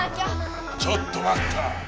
ちょっとまった。